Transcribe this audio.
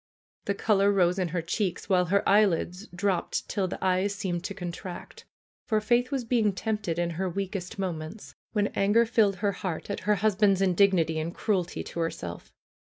The color rose in her cheeks, while her eye lids dropped till the eyes seemed to contract. For Faith was being tempted in her weakest moments; when anger filled her heart at her husband's indignity and cruelty to herself.